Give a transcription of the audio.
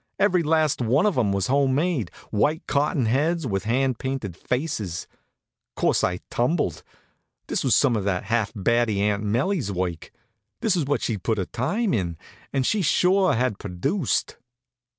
Every last one of 'em was home made, white cotton heads, with hand painted faces. Course, I tumbled. This was some of that half batty Aunt 'Melie's work. This was what she'd put in her time on. And she sure had produced.